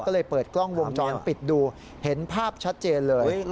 ก็เลยเปิดกล้องวงจรปิดดูเห็นภาพชัดเจนเลย